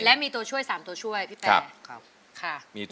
และมีตัวช่วย๓ตัวช่วยพี่แป้ค่ะ